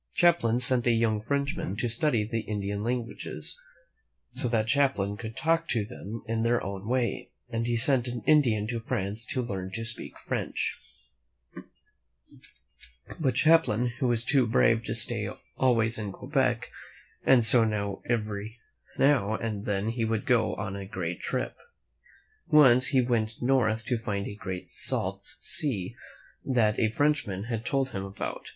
Champlain sent a young Frenchman to study the Indian lan guages, so that Champlain could talk to them in their own way, and he sent an Indian to France to learn to speak French. 136 THE FATHER OF NEW FRANCE wm '^:^ But Champlain was too brave to stay always in Quebec, and so every now and then he would go on a great trip. Once he went north to find a great salt sea that a Frenchman had told him about.